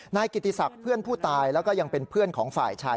นายกิติศักดิ์เพื่อนผู้ตายแล้วก็ยังเป็นเพื่อนของฝ่ายชาย